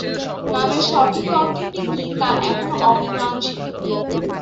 নামের সঠিক অর্থটি কী তা এখনও অমীমাংসিত।